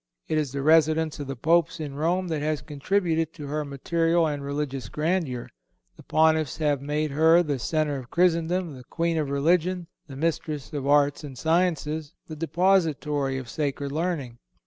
It is the residence of the Popes in Rome that has contributed to her material and religious grandeur. The Pontiffs have made her the Centre of Christendom, the Queen of religion, the Mistress of arts and sciences, the Depository of sacred learning.